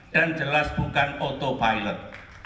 dan jelas bukan auto pilot